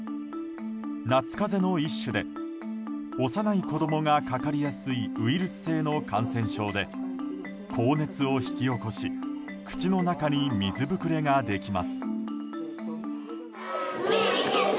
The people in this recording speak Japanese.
夏風邪の一種で幼い子供がかかりやすいウイルス性の感染症で高熱を引き起こし口の中に水ぶくれができます。